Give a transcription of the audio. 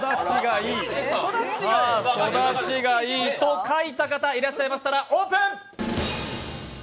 さあ、「育ちがいい」と書いた方いらっしゃいましたらオープン。